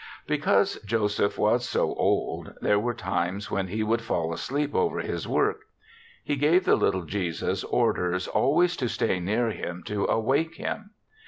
Because Joseph was so old, there were times when he would fall asleep over his work ; he gave the little Jesus orders always to stay near him to awake him.